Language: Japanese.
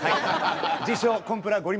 自称コンプラごり